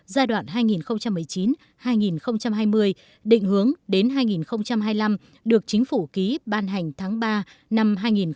tại việt nam chính phủ ký ban hành tháng ba năm hai nghìn một mươi chín